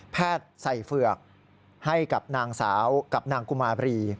ใส่เฝือกให้กับนางสาวกับนางกุมาบรี